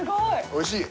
おいしい。